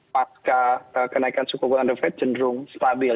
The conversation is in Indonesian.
pasca kenaikan suku bulan demerit cenderung stabil